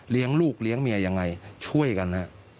เลี้ยงลูกเลี้ยงเมียอย่างไรช่วยกันนะฮะ